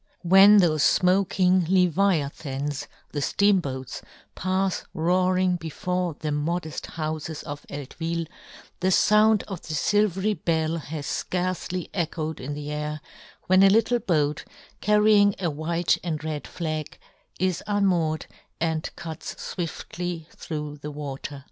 When thofe fmoking Leviathans, the fteam boats, pafs roaring before the modeft houfes of Eltvil, the found of the filvery bell has fcarcely echoed in the "John Gutenberg. 89 air, when a little boat, carrying a white and red flag, is unmoored and cuts fwiftly through the water.